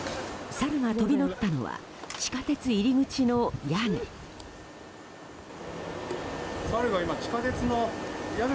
サルが飛び乗ったのは地下鉄入り口の屋根。